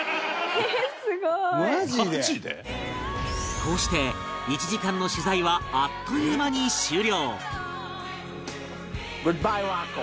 こうして、１時間の取材はあっという間に終了